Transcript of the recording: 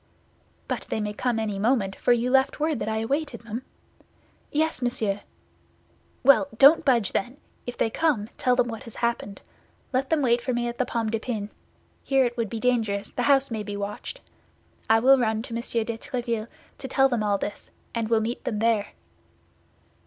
"But they may come any moment, for you left word that I awaited them?" "Yes, monsieur." "Well, don't budge, then; if they come, tell them what has happened. Let them wait for me at the Pomme de Pin. Here it would be dangerous; the house may be watched. I will run to Monsieur de Tréville to tell them all this, and will meet them there."